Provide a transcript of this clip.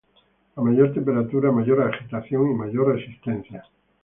A mayor temperatura, mayor agitación, y mayor resistencia.